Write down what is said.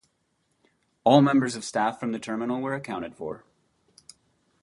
All members of staff from the terminal were accounted for.